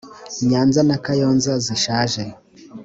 nyanza na kayonza zishaje